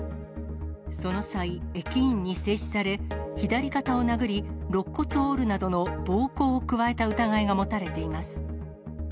その際、駅員に制止され、左肩を殴り、ろっ骨を折るなどの暴行を加えた疑いが持たれています。